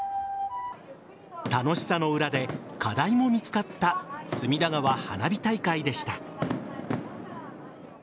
楽しさの裏で課題も見つかった隅田川花火大会でした。